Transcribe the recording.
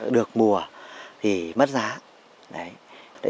được mùa thì mất giá